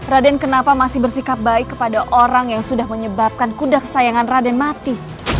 raden kenapa masih bersikap baik kepada orang yang sudah menyebabkan kuda kesayangan raden mati